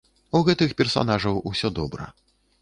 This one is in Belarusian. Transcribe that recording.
У гэтых персанажаў усё добра.